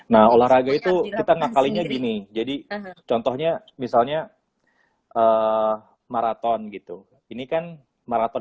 nah olahraga itu kita ngakalinya gini jadi contohnya misalnya maraton gitu ini kan maraton